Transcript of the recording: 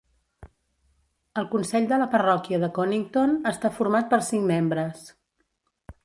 El consell de la parròquia de Conington està format per cinc membres.